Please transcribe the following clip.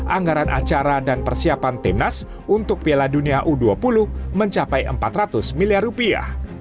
anggaran acara dan persiapan timnas untuk piala dunia u dua puluh mencapai empat ratus miliar rupiah